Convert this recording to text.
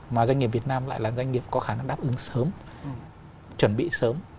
mà doanh nghiệp việt nam lại là doanh nghiệp có khả năng đáp ứng sớm chuẩn bị sớm